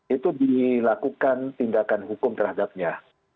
itu dilakukan tindakan hukum terhadapnya